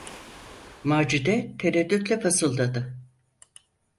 Macide tereddütle fısıldadı: